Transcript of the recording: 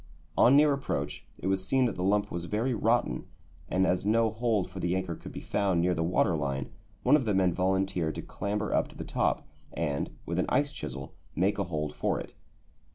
On near approach it was seen that the lump was very rotten, and, as no hold for the anchor could be found near the water line, one of the men volunteered to clamber up to the top and, with an ice chisel, make a hold for it.